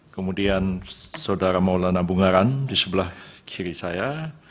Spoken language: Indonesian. kemudian saudara maulana bungaran di sebelah kiri saya